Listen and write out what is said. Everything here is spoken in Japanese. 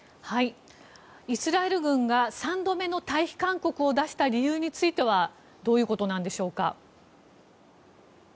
イスラエル軍が３度目の退避勧告を出した理由についてはどういうことなんでしょうか。